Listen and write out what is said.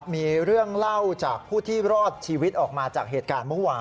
มีเรื่องเล่าจากผู้ที่รอดชีวิตออกมาจากเหตุการณ์เมื่อวาน